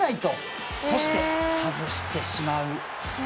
そして外してしまう。